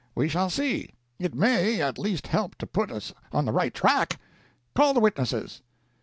We shall see. It may at least help to put us on the right track. Call the witnesses."